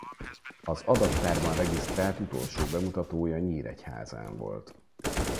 Az adattárban regisztrált utolsó bemutatója Nyíregyházán volt.